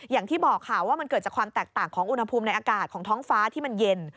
อย่างที่บอกค่ะว่ามันเกิดจากความแตกต่างของอุณหภูมิในอากาศของท้องฟ้าที่มันเย็น